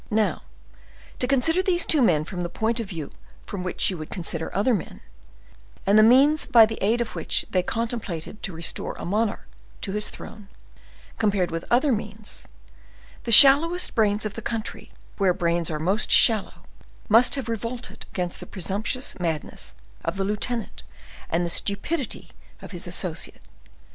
Now, to consider these two men from the point of view from which you would consider other men, and the means by the aid of which they contemplated to restore a monarch to his throne, compared with other means, the shallowest brains of the country where brains are most shallow must have revolted against the presumptuous madness of the lieutenant and the stupidity of his associate.